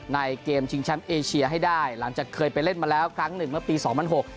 ในเกมชิงแชมป์เอเชียให้ได้หลังจากเคยไปเล่นมาแล้วครั้งหนึ่งเมื่อปีสองพันหก